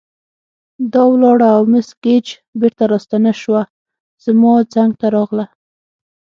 دا ولاړه او مس ګېج بیرته راستنه شوه، زما څنګ ته راغله.